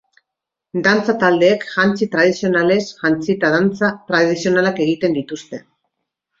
Dantza taldeek jantzi tradizionalez jantzita dantza tradizionalak egiten dituzte.